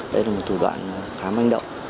đây là một thủ đoạn khá mạnh